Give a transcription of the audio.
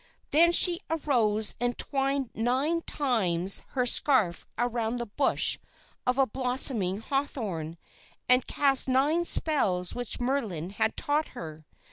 Then she arose and twined nine times her scarf around the bush of blossoming hawthorn, and cast nine spells which Merlin had taught her.